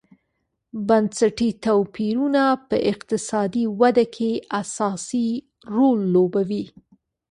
بنسټي توپیرونه په اقتصادي ودې کې اساسي رول لوبوي.